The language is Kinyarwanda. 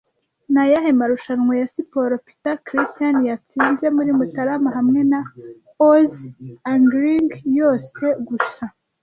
Ni ayahe marushanwa ya siporo Peter Christian yatsinze muri Mutarama hamwe na / oz Angling - yose (gusa)